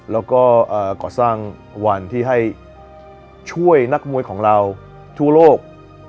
แล้วก็ก่อสร้างวันที่ให้ช่วยนักมวยของเราทั่วโลก